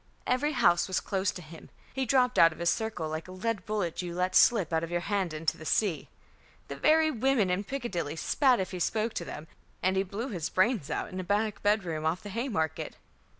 Every house was closed to him; he dropped out of his circle like a lead bullet you let slip out of your hand into the sea. The very women in Piccadilly spat if he spoke to them; and he blew his brains out in a back bedroom off the Haymarket.